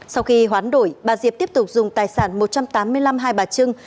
sau khi hoán đổi bà diệp tiếp tục dùng tài sản một trăm tám mươi năm hai bà trưng